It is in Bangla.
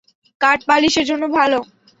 কাঠ পালিশের জন্য ভালো।